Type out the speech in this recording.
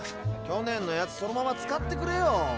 去年のやつそのまま使ってくれよ。